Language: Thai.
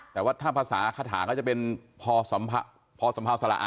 แต่ว่าถ้าภาษาคาถาก็จะเป็นพอสัมภาพอสัมภาษาละอ่ะ